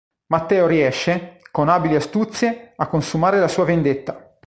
Matteo riesce, con abili astuzie, a consumare la sua vendetta.